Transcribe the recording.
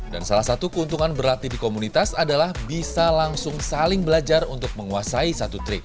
dan salah satu keuntungan berlatih di komunitas adalah bisa langsung saling belajar untuk menguasai satu trik